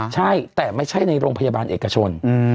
ใช่แต่ไม่ใช่ในโรงพยาบาลเอกชน